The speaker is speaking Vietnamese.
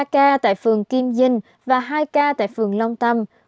ba ca tại phường kim dinh và hai ca tại phường long tâm